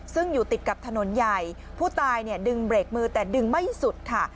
ซึ่งอยู่ติดกับถนนใหญ่ผู้ตายเนี่ยดึงเบรกมือแต่ดึงไม่สุดค่ะ